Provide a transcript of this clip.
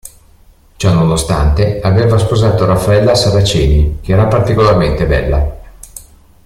Ciò nonostante aveva sposato Raffaella Saraceni, che era particolarmente bella.